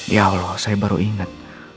ya allah saya baru ingat